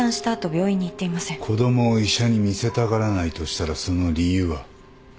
子供を医者に見せたがらないとしたらその理由は？